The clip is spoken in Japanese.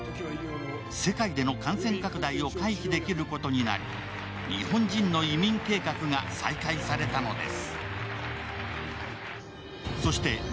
世界での感染拡大を回避できることになり、日本人の移民計画が再開されたのです。